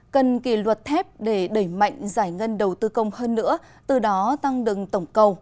cần kỳ luật thép để đẩy mạnh giải ngân đầu tư công hơn nữa từ đó tăng đừng tổng cầu